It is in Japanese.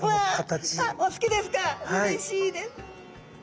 うれしいです。